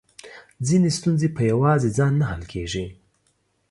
ځينې ستونزې په يواځې ځان نه حل کېږي .